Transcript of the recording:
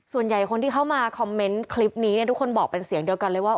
ส่วนใหญ่คนที่เข้ามาคอมเมนต์คลิปนี้เนี่ยทุกคนบอกเป็นเสียงเดียวกันเลยว่า